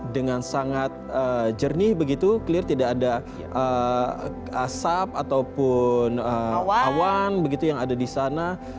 dengan sangat jernih begitu clear tidak ada asap ataupun awan begitu yang ada di sana